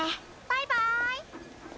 バイバーイ！